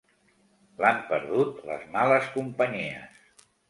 L'han perdut les males companyies.